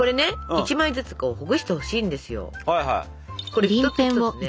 これ一つ一つね。